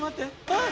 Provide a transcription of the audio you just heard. あっ！